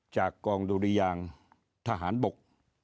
จากกองดุริยางทหารบก